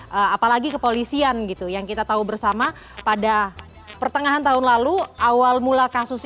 kemudian apalagi kepolisian gitu yang kita tahu bersama pada pertengahan tahun lalu awal mula kasus